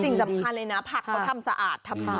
สิ่งสำคัญเลยผักทำสะอาดดี